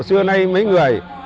bộ xưa nay mấy người